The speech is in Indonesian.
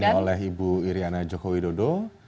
oleh ibu iryana joko widodo